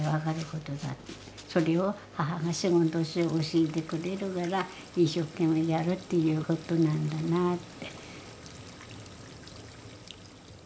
それを母が仕事仕事教えてくれるから一生懸命やるっていうことなんだなぁって。